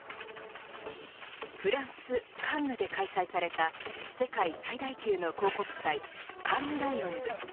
フランス、カンヌで開催された世界最大級の広告祭カンヌライオンズ。